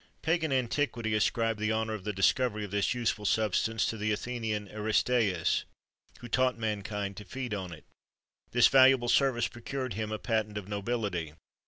[XXIII 47] Pagan antiquity ascribed the honour of the discovery of this useful substance to the Athenian Aristæus, who taught mankind to feed on it. This valuable service procured him a patent of nobility.